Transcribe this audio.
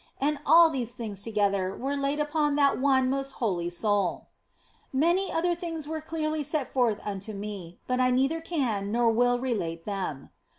And all these things together were laid upon that one most holy Soul. OF FOLIGNO 205 Many other things were clearly set forth unto me, but I neither can nor will relate them.